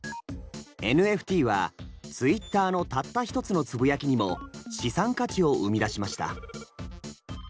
ＮＦＴはツイッターのたった一つのつぶやきにも資産価値を生み出しました。